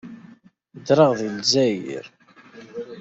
Ddreɣ deg Lezzayer.